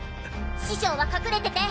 師匠は隠れてて。